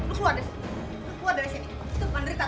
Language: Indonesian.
lo keluar dari sini